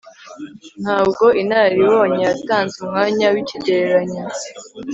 Ntabwo inararibonye yatanze umwanya wikigereranyo